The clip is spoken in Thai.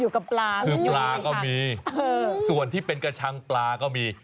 กับปลาคือปลาก็มีส่วนที่เป็นกระชังปลาก็มี